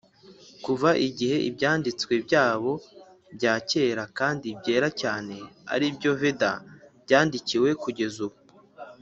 kuva igihe ibyanditswe byabo bya kera (kandi byera cyane) ari byo veda, byandikiwe kugeza ubu.